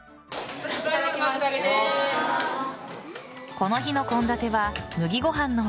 この日の献立は麦ご飯の他